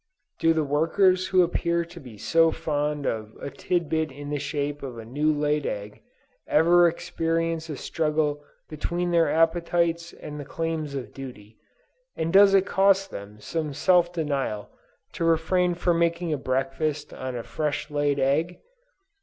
Do the workers who appear to be so fond of a tit bit in the shape of a new laid egg, ever experience a struggle between their appetites and the claims of duty, and does it cost them some self denial to refrain from making a breakfast on a fresh laid egg?